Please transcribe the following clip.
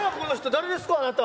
誰ですかあなた？